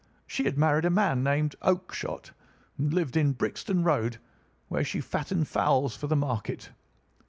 She had married a man named Oakshott, and lived in Brixton Road, where she fattened fowls for the market.